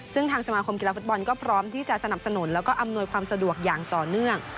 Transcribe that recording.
ซึ่งทางสมาคมกีฬาฟุตบอลก็พร้อมที่จะสนับสนุนแล้วก็อำนวยความสะดวกอย่างต่อเนื่อง